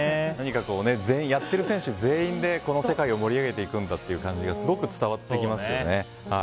何かやっている選手全員でこの世界を盛り上げていくんだという感じがすごく伝わってきますよね。